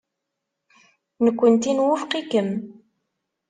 Nekkenti nwufeq-ikem.